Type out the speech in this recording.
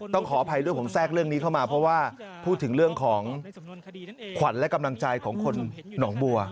ขออภัยด้วยผมแทรกเรื่องนี้เข้ามาเพราะว่าพูดถึงเรื่องของขวัญและกำลังใจของคนหนองบัว